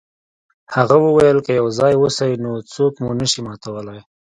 هغه وویل که یو ځای اوسئ نو څوک مو نشي ماتولی.